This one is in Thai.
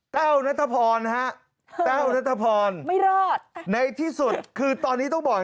นัทพรฮะแต้วนัทพรไม่รอดในที่สุดคือตอนนี้ต้องบอก